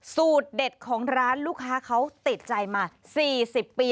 สูตรเด็ดของร้านลูกค้าเขาติดใจมา๔๐ปี